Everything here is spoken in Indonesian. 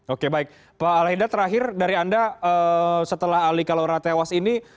oke baik pak al haidar terakhir dari anda setelah ali kalora tewas ini